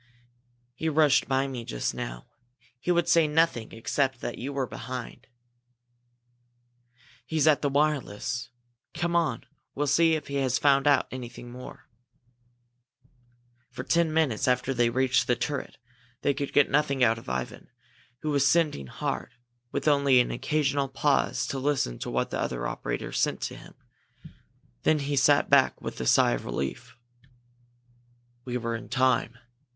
"He rushed by me just now. He would say nothing except that you were behind." "He's at the wireless. Come on! We'll see if he has found out anything more." For ten minutes after they reached the turret, they could get nothing out of Ivan, who was sending hard, with only an occasional pause to listen to what the other operator sent to him. Then he sat back with a sigh of relief. "We were in time!"